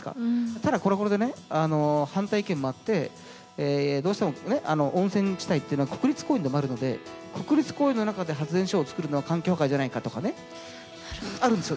ただこれもこれでね反対意見もあってどうしても温泉地帯っていうのは国立公園でもあるので国立公園の中で発電所を作るのは環境破壊じゃないかとかねあるんですよ。